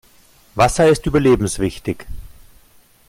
Wasser ist überlebenswichtig.